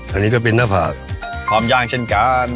อันนี้ก็เป็นหน้าผากพร้อมย่างเช่นกัน